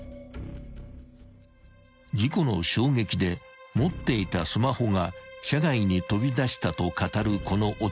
［事故の衝撃で持っていたスマホが車外に飛び出したと語るこの男］